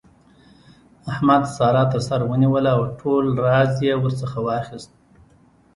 احمد؛ سارا تر سر ونيوله او ټول راز يې ورڅخه واخيست.